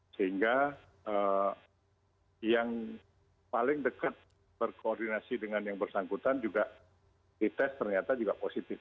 sehingga yang paling dekat berkoordinasi dengan yang bersangkutan juga dites ternyata juga positif